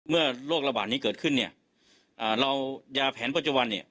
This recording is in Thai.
เมื่อโรคระบาดนี้เกิดขึ้นยาแผนปัจจุบัน